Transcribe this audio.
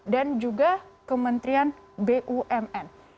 dan juga kementerian bumn